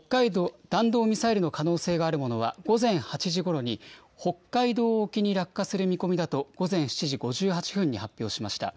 弾道ミサイルの可能性があるものは、午前８時ごろに、北海道沖に落下する見込みだと、午前７時５７分に発表しました。